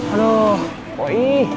aduh kok ih